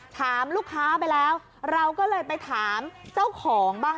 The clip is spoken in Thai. ถามลูกค้าไปแล้วเราก็เลยไปถามเจ้าของบ้าง